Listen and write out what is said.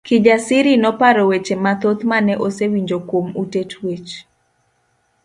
Kijasiri noparo weche mathoth mane osewinjo kuom ute twech.